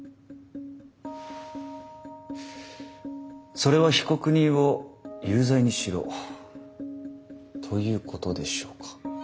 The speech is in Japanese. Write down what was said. それは被告人を有罪にしろということでしょうか？